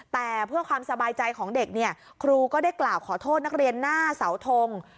แต่เพื่อความสบายใจของเด็กเนี่ยครูก็ได้กล่าวขอโทษนักเรียนหน้าเสาทง